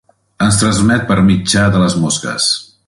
Es transmet per mitjà de les mosques.